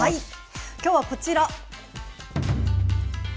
きょうはこちら。